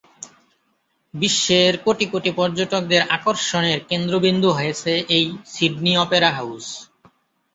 বিশ্বের কোটি কোটি পর্যটকদের আকর্ষণের কেন্দ্রবিন্দু হয়েছে এই সিডনি অপেরা হাউজ।